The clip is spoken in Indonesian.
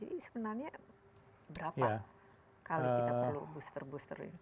jadi sebenarnya berapa kali kita perlu booster booster ini